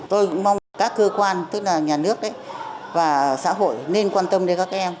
tôi cũng mong các cơ quan tức là nhà nước và xã hội nên quan tâm đến các em